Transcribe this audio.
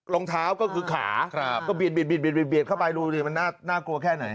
รองเท้าก็คือขาก็เบียดเข้าไปดูดิมันน่ากลัวแค่ไหน